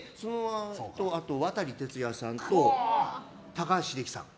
あと渡哲也さんと高橋英樹さん。